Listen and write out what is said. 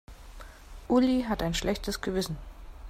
Uli hat ein schlechtes Gewissen.